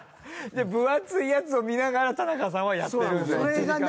分厚いやつを見ながら田中さんはやってるんすね。